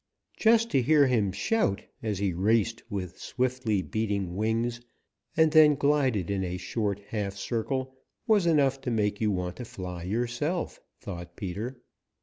Just to hear him shout as he raced with swiftly beating wings and then glided in a short half circle was enough to make you want to fly yourself, thought Peter.